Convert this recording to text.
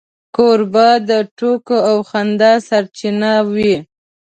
کوربه د ټوکو او خندا سرچینه وي.